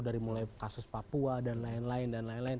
dari mulai kasus papua dan lain lain